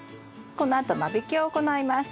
このあと間引きを行います。